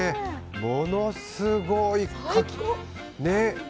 ものすごいかき。